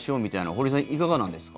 堀さん、いかがなんですか？